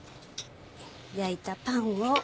焼いたパンを。